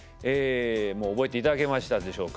もう覚えていただけましたでしょうか。